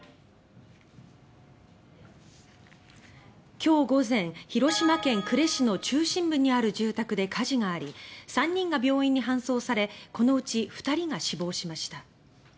今日午前広島県呉市の住宅で火事があり３人が病院に搬送されこのうち、２人が死亡しました。